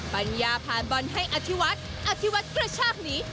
ปัญญาผ่านบอลให้อธิวัฒน์อธิวัฒน์กระชากหนี